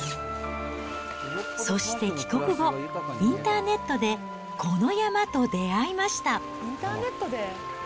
そして帰国後、インターネットで、この山と出会いました。